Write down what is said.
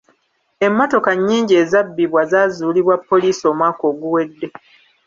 Emmotoka nnyingi ezabbibwa zaazuulibwa poliisi omwaka oguwedde.